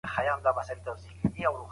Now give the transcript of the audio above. د ناول پایله ټولنیزه ده.